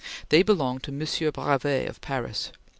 They belong to Monsieur Bravay of Paris.